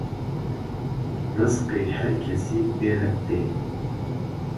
Rizqê her kesî pê re tê